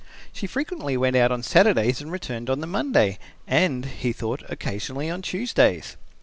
She frequently went out on Saturdays and returned on the Monday and, he thought, occasionally on Tuesdays.